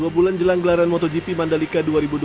dua bulan jelang gelaran motogp mandalika dua ribu dua puluh